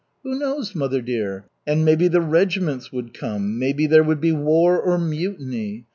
"Who knows, mother dear? And maybe the regiments would come! Maybe there would be war or mutiny.